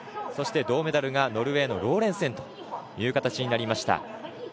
そして銅メダルがノルウェーのローレンセンという形になりました。